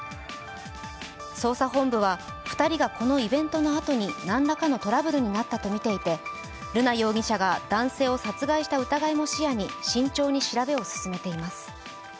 捜査本部は２人がこのイベントのあとに何らかのトラブルになったとみていて、瑠奈容疑者が男性を殺害した疑いも視野に慎重に調べを進めています。